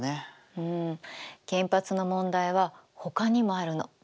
うん原発の問題はほかにもあるの。